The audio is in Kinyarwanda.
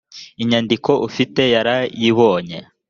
inyandiko ufite yarayibonye